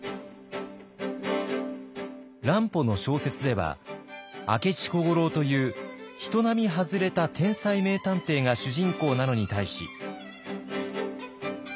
乱歩の小説では明智小五郎という人並み外れた天才名探偵が主人公なのに対し。